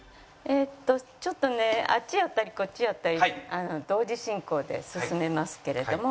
ちょっとねあっちやったりこっちやったり同時進行で進めますけれども。